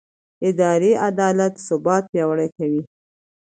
اداري عدالت ثبات پیاوړی کوي